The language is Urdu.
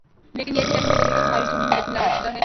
لیکن یہ بھی ذہنوں میں رہے کہ ہماری جمہوریت ملاوٹ شدہ ہے۔